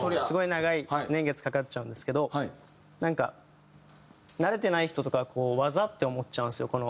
すごい長い年月かかっちゃうんですけどなんか慣れてない人とかはこう技って思っちゃうんですよ